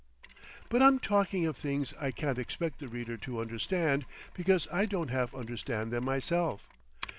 But I'm talking of things I can't expect the reader to understand, because I don't half understand them myself.